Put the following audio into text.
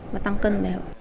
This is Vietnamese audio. và tăng cân